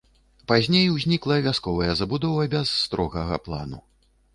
Пазней узнікла вясковая забудова без строгага плану.